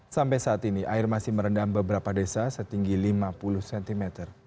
sampai saat ini air masih merendam beberapa desa setinggi lima puluh cm